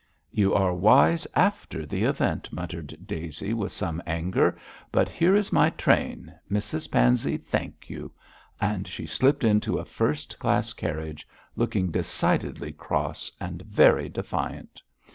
'You are wise after the event,' muttered Daisy, with some anger, 'but here is my train, Mrs Pansey, thank you!' and she slipped into a first class carriage, looking decidedly cross and very defiant.